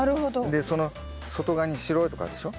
でその外側に白いとこあるでしょ。